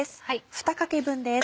２かけ分です。